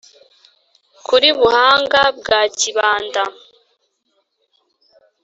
kuri buhanga mwa kibanda